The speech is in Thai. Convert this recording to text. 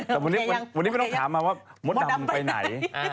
แต่วันนี้ไม่ต้องถามมาว่ามดดำไปไหน